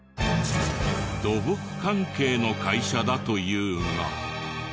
土木関係の会社だというが。